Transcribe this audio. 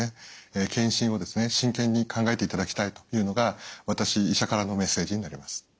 検診を真剣に考えていただきたいというのが私医者からのメッセージになります。